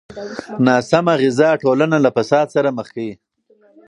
ناسمه غذا ټولنه له فساد سره مخ کوي.